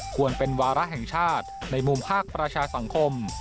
ควรเป็นวาระแห่งชาติในมุมภาคประชาสังคม